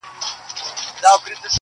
دلته مستي ورانوي دلته خاموشي ورانوي,